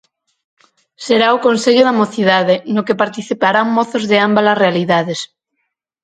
Será o Consello da Mocidade, no que participarán mozos de ambas as realidades.